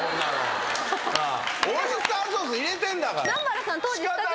オイスターソース入れてんだから。